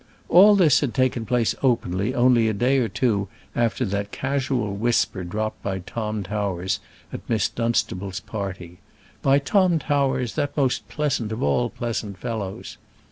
All this had taken place openly only a day or two after that casual whisper dropped by Tom Towers at Miss Dunstable's party by Tom Towers, that most pleasant of all pleasant fellows.